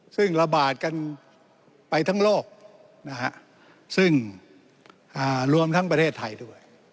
ซึ่งระบาดกันไปทั้งโลกนะฮะซึ่งรวมทั้งประเทศไทยด้วย